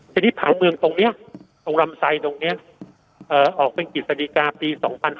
ทีนี้ผังเมืองตรงนี้ตรงลำไซตรงนี้ออกเป็นกิจสดีกาปี๒๕๕๙